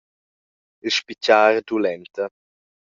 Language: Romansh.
Il spitgar dulenta.